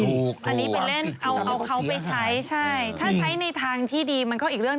อันนี้ไปเล่นเอาเอาเขาไปใช้ใช่ถ้าใช้ในทางที่ดีมันก็อีกเรื่อง